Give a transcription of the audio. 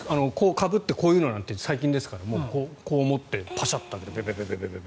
かぶって、こういうのなんて最近ですからもうこう持ってパシャッと開けて。